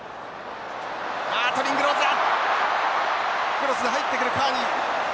クロスが入ってくるカーティ！